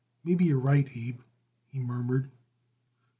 "Maybe you're right, Abe," he murmured.